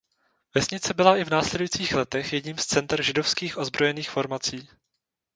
Vesnice byla i v následujících letech jedním z center židovských ozbrojených formací.